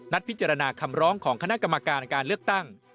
พิจารณาคำร้องของคณะกรรมการการเลือกตั้ง